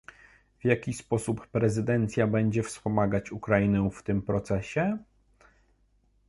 W jaki sposób prezydencja będzie wspomagać Ukrainę w tym procesie?